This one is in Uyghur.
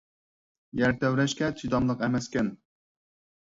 يەر تەۋرەشكە چىداملىق ئەمەسكەن.